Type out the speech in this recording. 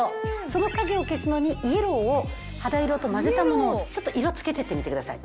その影を消すのにイエローを肌色と混ぜたものをちょっと色つけていってみてください。